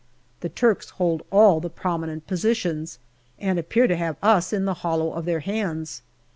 The Turks hold all the prominent positions, and appear to have us in the hollow of their hands.